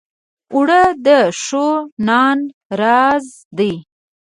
اوړه د ښو نان راز دی